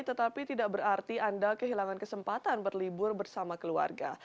tetapi tidak berarti anda kehilangan kesempatan berlibur bersama keluarga